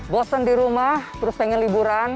bosen di rumah terus pengen liburan